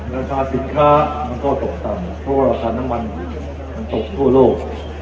ราคาสินค้ามันก็ตกต่ำเพราะว่าสารน้ำมันมันตกทั่วโลก